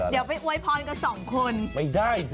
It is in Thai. เดี๋ยวไปอวยพรกับสองคน